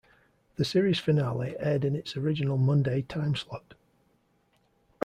The series finale aired in its original Monday timeslot.